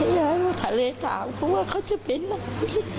ยายว่าทะเลถามเพราะว่าเขาจะไปไหน